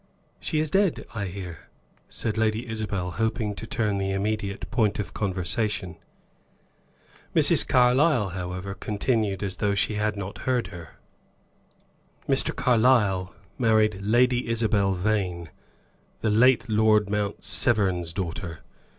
"She is dead, I hear," said Lady Isabel hoping to turn the immediate point of conversation. Mrs. Carlyle, however, continued as though she had not heard her. "Mr. Carlyle married Lady Isabel Vane, the late Lord Mount Severn's daughter.